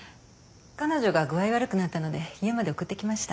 彼女が具合悪くなったので家まで送ってきました。